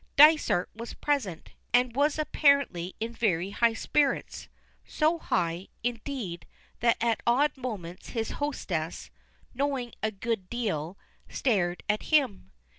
Dysart was present, and was apparently in very high spirits; so high, indeed, that at odd moments his hostess, knowing a good deal, stared at him.